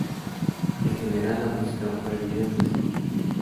En general la música fue bien recibida.